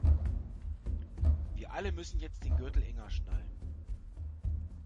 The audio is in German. Wir alle müssen jetzt den Gürtel enger schnallen.